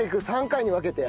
３回に分けて。